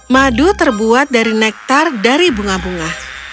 madu terbuat dari nektar dari bunga bunga